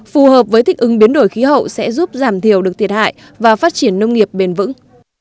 phù hợp với thích ứng biến đổi khí hậu sẽ giúp giảm thiểu được thiệt hại và phát triển nông nghiệp bền vững